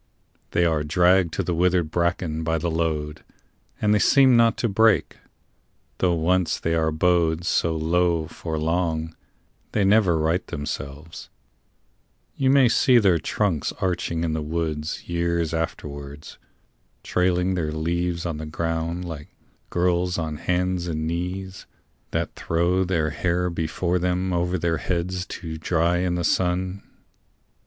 They are dragged to the withered bracken by the load, And they seem not to break; though once they are bowed So low for long, they never right themselves: You may see their trunks arching in the woods Years afterwards, trailing their leaves on the ground Like girls on hands and knees that throw their hair Before them over their heads to dry in the sun.